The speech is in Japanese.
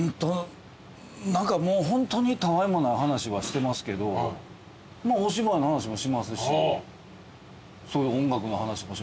何かもうホントにたわいもない話はしてますけどまあお芝居の話もしますしそういう音楽の話も。